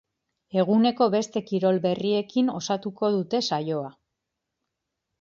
Eguneko beste kirol berriekin osatuko dute saioa.